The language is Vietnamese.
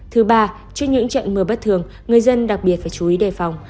thứ ba trước những trận mưa bất thường người dân đặc biệt phải chú ý đề phòng